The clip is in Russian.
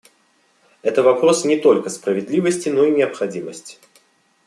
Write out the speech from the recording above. Это вопрос не только справедливости, но и необходимости.